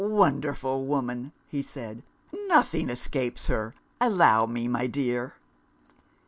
"Wonderful woman!" he said. "Nothing escapes her! Allow me, my dear."